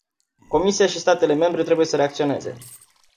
Comisia și statele membre trebuie să reacționeze.